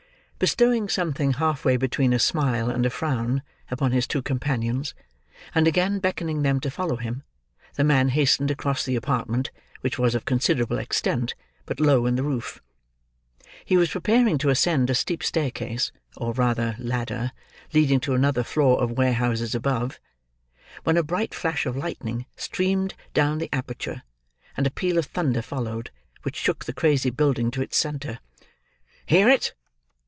Bestowing something half way between a smile and a frown upon his two companions, and again beckoning them to follow him, the man hastened across the apartment, which was of considerable extent, but low in the roof. He was preparing to ascend a steep staircase, or rather ladder, leading to another floor of warehouses above: when a bright flash of lightning streamed down the aperture, and a peal of thunder followed, which shook the crazy building to its centre. "Hear it!"